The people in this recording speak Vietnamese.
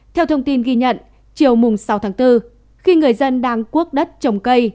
theo thông tin ghi nhận chiều sáu tháng bốn khi người dân đang cuốc đất trồng cây